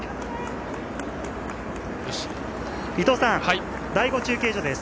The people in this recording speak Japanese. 伊藤さん、第５中継所です。